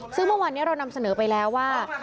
ซึ่งเมื่อวานนี้เรานำเสนอไปแล้วว่า